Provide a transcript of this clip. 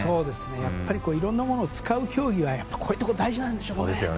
やっぱりいろんなものを使う競技はこういうところ大事なんでしょうね。